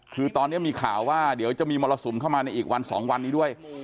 คือตอนนี้มีข่าวว่าเดี๋ยวจะมีมรสุมเข้ามาในอีกวัน๒วันนี้ด้วย